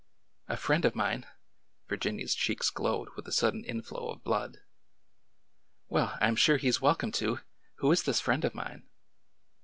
A friend of mine !" Virginia's cheeks glowed with a sudden inflow of blood. '' Well, I 'm sure he 's welcome to ! Who is this friend of mine